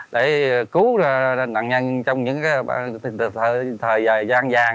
để cứu nặng nhanh trong những thời gian vàng